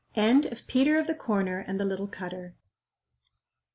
END OF PETER OF THE CORNER AND THE LITTLE CUTTER.